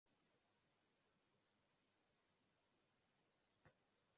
Ambayo ni zaidi ya mchezaji yeyote wa bara la Ulaya